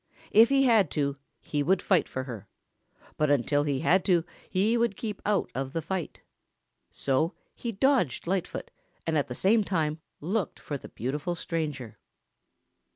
If he had to, he would fight for her, but until he had to he would keep out of the fight. So he dodged Lightfoot and at the same time looked for the beautiful stranger.